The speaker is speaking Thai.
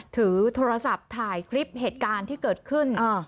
ถือโทรศัพท์ถ่ายคลิปเหตุการณ์ที่เกิดขึ้น